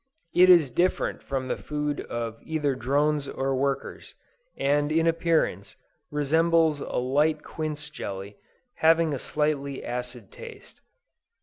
It is different from the food of either drones or workers, and in appearance, resembles a light quince jelly, having a slightly acid taste.